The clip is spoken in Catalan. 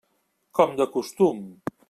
Com de costum.